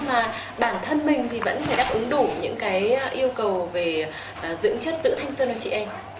mà bản thân mình thì vẫn phải đáp ứng đủ những cái yêu cầu về dưỡng chất giữ thanh xuân của chị em